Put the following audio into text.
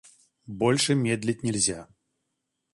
Больше медлить нельзя.